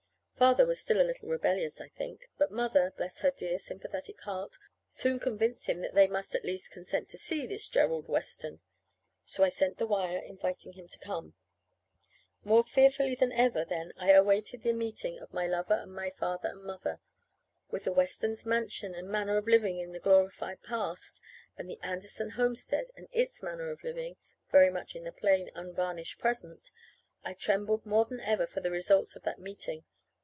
Father was still a little rebellious, I think; but Mother bless her dear sympathetic heart! soon convinced him that they must at least consent to see this Gerald Weston. So I sent the wire inviting him to come. More fearfully than ever then I awaited the meeting between my lover and my father and mother. With the Westons' mansion and manner of living in the glorified past, and the Anderson homestead, and its manner of living, very much in the plain, unvarnished present, I trembled more than ever for the results of that meeting.